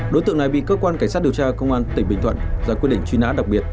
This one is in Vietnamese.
đối tượng này bị cơ quan cảnh sát điều tra công an tỉnh bình thuận ra quyết định truy nã đặc biệt